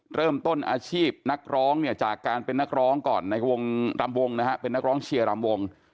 เริ่มต้นอาชีพนักร้องเนี่ยจากการเป็นนักร้องก่อนในวงรำวงนะฮะเป็นนักร้องเชียร์รำวง